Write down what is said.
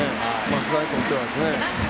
増田にとってはですね。